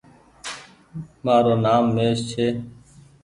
مآرو نآم مهيش ڇي۔